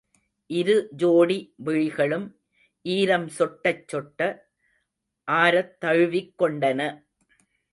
இரு ஜோடி விழிகளும் ஈரம் சொட்டச் சொட்ட, ஆரத் தழுவிக் கொண்டன!